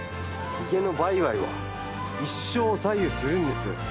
家の売買は一生を左右するんです。